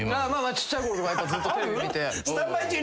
ちっちゃいころとかずっとテレビ見て。